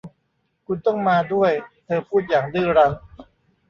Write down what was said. คุณต้องมาด้วยเธอพูดอย่างดื้อรั้น